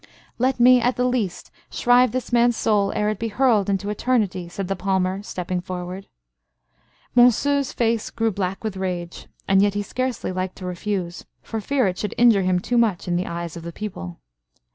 "Let me, at the least, shrive this man's soul ere it be hurled into eternity," said the palmer, stepping forward. Monceux's face grew black with rage; and yet he scarcely liked to refuse, for fear it should injure him too much in the eyes of the people.